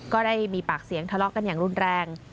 ก็ได้มีปากเสียงทะเลาะกันอย่างรุนแรง